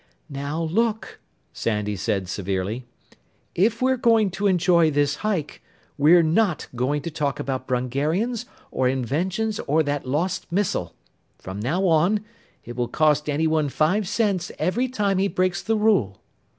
"Now look!" Sandy said severely. "If we're going to enjoy this hike, we're not going to talk about Brungarians or inventions or that lost missile. From now on, it will cost anyone five cents every time he breaks the rule!"